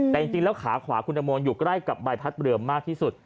แต่จริงแล้วขาขวาคุณตังโมอยู่ใกล้กับใบพัดเรือมากที่สุด